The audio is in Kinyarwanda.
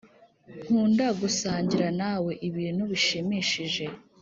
nkunda gusangira nawe ibintu bishimishije